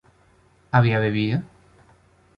¿había bebido?